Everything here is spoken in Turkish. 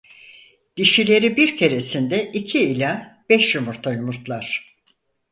Dişileri bir keresinde iki ila beş yumurta yumurtlar.